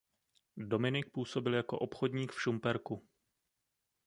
Dominik působil jako obchodník v Šumperku.